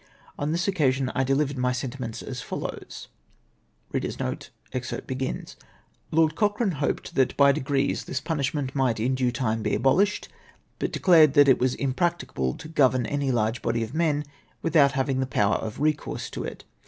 On this occasion, I dehvercd my sentiments as follows :—" Lord Cochrane hoped tliat, by degrees, tliis punishment mierht in due time l)e abolished, but declared that it was im practicable to govern any large body of men without having the power of recourse to it.